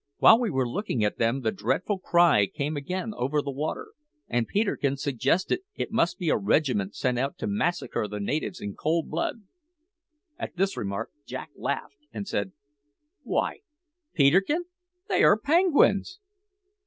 While we were looking at them the dreadful cry came again over the water, and Peterkin suggested that it must be a regiment sent out to massacre the natives in cold blood. At this remark Jack laughed and said: "Why, Peterkin, they are penguins!"